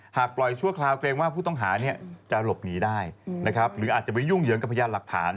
ปล่อยชั่วคราวเกรงว่าผู้ต้องหาจะหลบหนีได้นะครับหรืออาจจะไปยุ่งเหยิงกับพยานหลักฐาน